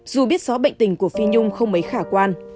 dù biết rõ bệnh tình của phi nhung không mấy khả quan